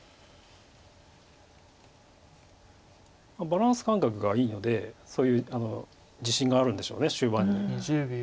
バランス感覚がいいのでそういう自信があるんでしょう終盤に。